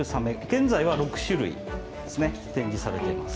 現在は６種類ですね展示されています。